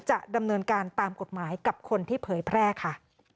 จะดำเนินการตามกฎหมายกับคนที่เผยแพร่ค่ะ